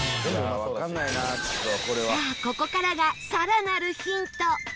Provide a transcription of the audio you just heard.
さあ、ここからが更なるヒント！